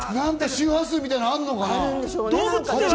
周波数みたいなのあるのかな？